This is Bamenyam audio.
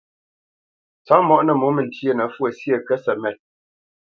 Tsopmǒ nǝ mǒmǝ ntyénǝ́ fwo syé kǝtʼsǝmét.